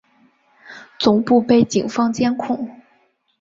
总部被警方监控。